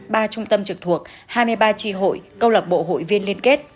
ba trung tâm trực thuộc hai mươi ba tri hội câu lạc bộ hội viên liên kết